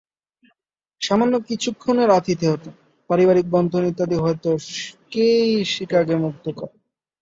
সামান্য কিছুক্ষণের আতিথেয়তা, পারিবারিক বন্ধন ইত্যাদি হয়তো কেই সিগাকে মুগ্ধ করে।